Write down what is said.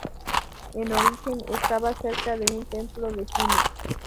En origen estaba cerca de un templo de Juno.